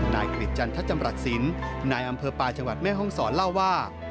นายกริจจันทจำรัฐศิลป์นายอำเภอปาจังหวัดแม่ห้องศรเล่าว่า